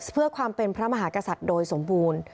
เพื่อความเป็นพระมหากษัตริย์โดยสมบูรณ์